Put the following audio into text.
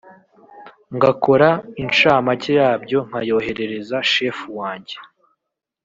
ngakora inshamake yabyo nkayoherereza chef wanjye